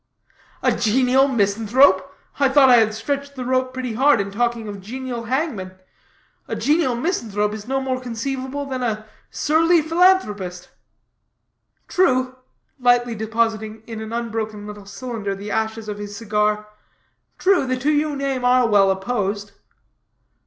"A genial misanthrope! I thought I had stretched the rope pretty hard in talking of genial hangmen. A genial misanthrope is no more conceivable than a surly philanthropist." "True," lightly depositing in an unbroken little cylinder the ashes of his cigar, "true, the two you name are well opposed."